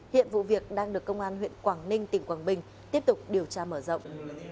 hiện vụ việc đang được công an huyện quảng ninh tỉnh quảng bình tiếp tục điều tra mở rộng